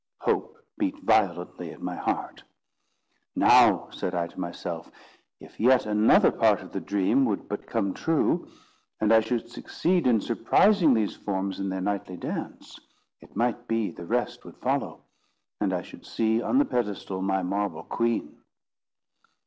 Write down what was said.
Hope beat violently in my heart. "Now," said I to myself, "if yet another part of the dream would but come true, and I should succeed in surprising these forms in their nightly dance; it might be the rest would follow, and I should see on the pedestal my marble queen.